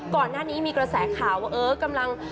ก่อนหน้านี้มีกระแสข่าวว่าเออกำลัง